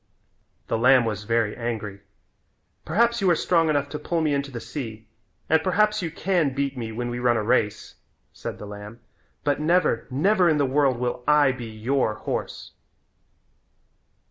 The lamb was very angry. "Perhaps you are strong enough to pull me into the sea, and perhaps you can beat me when we run a race," said the lamb, "but never, never in the world will I be your horse."